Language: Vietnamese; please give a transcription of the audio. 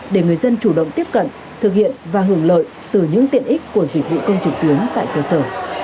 để người dân chủ động tiếp cận thực hiện và hưởng lợi từ những tiện ích của dịch vụ công trực tuyến tại cơ sở